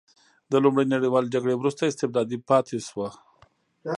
د لومړۍ نړیوالې جګړې وروسته استبدادي پاتې شوه.